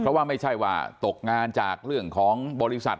เพราะว่าไม่ใช่ว่าตกงานจากเรื่องของบริษัท